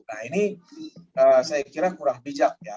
nah ini saya kira kurang bijak ya